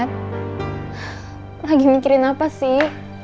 lagi mikirin apa sih